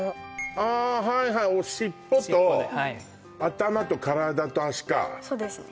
ああはいはい尻尾と尻尾ではい頭と体と脚かそうですね